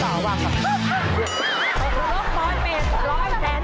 โรคบอยเป็นร้อยแซนชาติหมื่นพัน